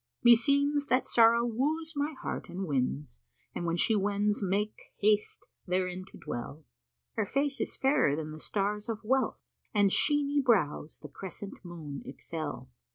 Meseems that sorrow wooes my heart and wins * And when she wends makes haste therein to dwell. Her face is fairer than the Stars of Wealth[FN#477] * And sheeny brows the crescent Moon excel."